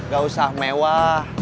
gak usah mewah